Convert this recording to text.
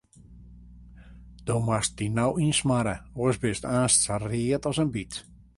Do moatst dy no ynsmarre, oars bist aanst sa read as in byt.